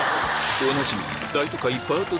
おなじみ